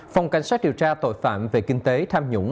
phòng cảnh sát điều tra tội phạm về kinh tế tham nhũng